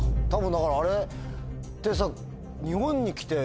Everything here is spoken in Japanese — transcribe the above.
だからあれってさ。